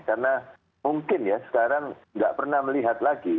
karena mungkin ya sekarang tidak pernah melihat lagi